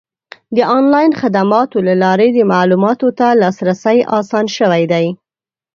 د آنلاین خدماتو له لارې د معلوماتو ته لاسرسی اسان شوی دی.